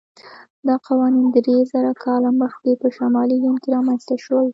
دا قوانین درېزره کاله مخکې په شمالي هند کې رامنځته شول.